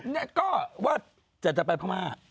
นี่ก็ว่าจะไปพม่า